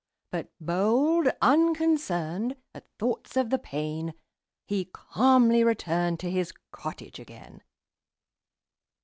But bold, unconcern'd At thoughts of the pain, He calmly return'd To his cottage again.